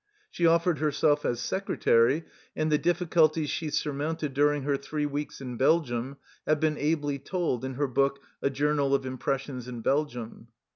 She offered herself as secretary, and the difficulties she surmounted during her three weeks in Belgium have been ably told in her book A Journal of Impressions in Belgium.